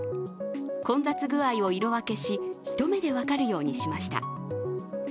混雑具合を色分けし、一目で分かるようにしました。